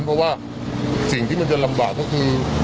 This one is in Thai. เพราะว่าสิ่งที่มันจะลำบากก็คือ